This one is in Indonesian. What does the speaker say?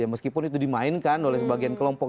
meskipun itu dimainkan oleh sebagian kelompok